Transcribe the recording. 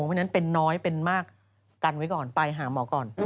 เพราะฉะนั้นเป็นน้อยเป็นมากกันไว้ก่อนไปหาหมอก่อน